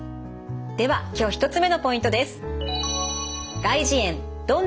では今日１つ目のポイントです。